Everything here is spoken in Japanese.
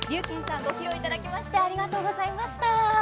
劉妍さんご披露いただきましてありがとうございました。